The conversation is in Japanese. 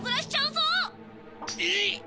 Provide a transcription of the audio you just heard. えっ！？